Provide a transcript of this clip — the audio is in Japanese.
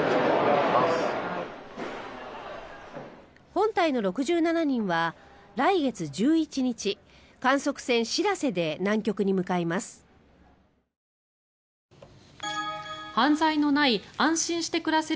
本隊の６７人は、来月１１日観測船「しらせ」で南極に向かいます。